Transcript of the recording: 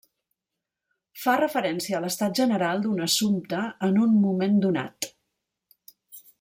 Fa referència a l'estat general d'un assumpte en un moment donat.